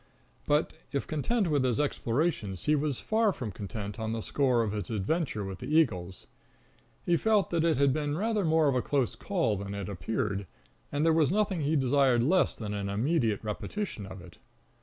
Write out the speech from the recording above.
But if content with his explorations, he was far from content on the score of his adventure with the eagles. He felt that it had been rather more of a close call than it appeared; and there was nothing he desired less than an immediate repetition of it.